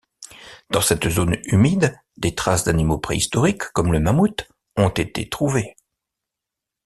Dans cette zone humide, des traces d'animaux préhistoriques, comme le mammouth, ont été trouvées.